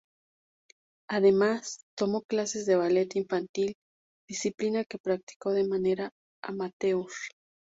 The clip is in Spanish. Además tomó clases de ballet infantil, disciplina que practicó de manera amateur.